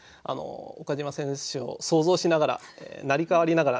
岡島選手を想像しながら成り代わりながら詠んでみました。